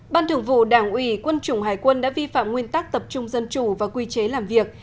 ban thường vụ đảng ủy quân chủng hải quân đã vi phạm nguyên tắc tập trung dân chủ và quy chế làm việc